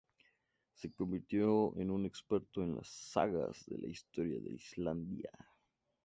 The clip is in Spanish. Se convirtió en un experto en las sagas de la historia de Islandia.